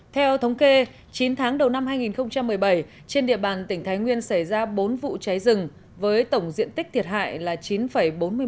theo thống kê chín tháng đầu năm hai nghìn một mươi bảy trên địa bàn tỉnh thái nguyên xảy ra bốn vụ cháy rừng với tổng diện tích thiệt hại là chín bốn mươi m hai